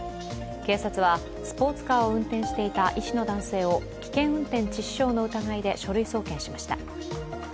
警察はスポーツカーを運転していた医師の男性を危険運転致死傷の疑いで書類送検しました。